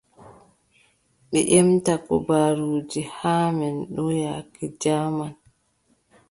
Ɓe ƴemta kubaruuji haa men ɗo yaake jaaman.